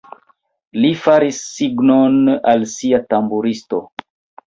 Li faris signon al sia tamburisto.